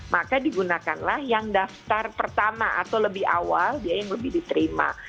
maka digunakanlah yang daftar pertama atau lebih awal dia yang lebih diterima